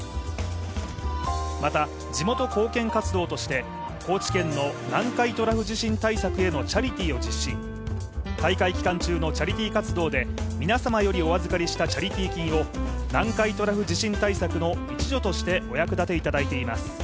また、地元貢献活動として高知県の南海トラフ地震対策へのチャリティーを実施大会期間中のチャリティー活動で皆様よりお預かりしたチャリティー金を南海トラフ地震対策の一助としてお役立ていただいています。